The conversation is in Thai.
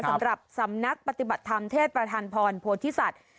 สำหรับสำนักปฏิบัติธรรมเทพประธานพรโพธิสัตว์